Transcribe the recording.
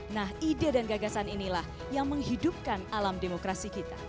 nah ide dan gagasan inilah yang menghidupkan alam demokrasi kita